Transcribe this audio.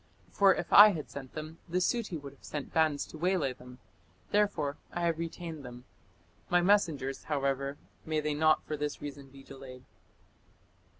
For if I had sent them, the Suti would have sent bands to waylay them; therefore I have retained them. My messengers (however), may they not (for this reason) be delayed."